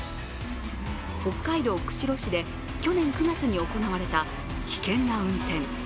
北海道釧路市で去年９月に行われた危険な運転。